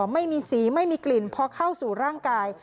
ไม่มีสีไม่มีกลิ่นพอเข้าสู่ร่างกาย